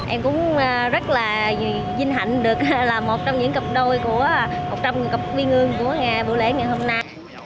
em cũng rất là vinh hạnh được là một trong những cặp đôi của một trăm linh người cặp viên ương của ngày bữa lễ ngày hôm nay